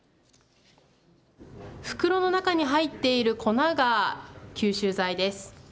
袋の中に入っている粉が、吸収材です。